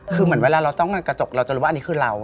คือเหมือนเวลาเราจ้องกระจกเราจะรู้ว่าอันนี้คือเรา